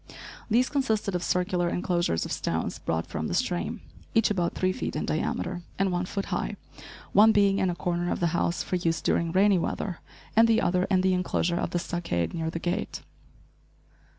These consisted of circular enclosures of stones brought from the stream, each about three feet in diameter and one foot high, one being in a corner of the house for use during rainy weather, and the other in the enclosure of the stockade, near the gate.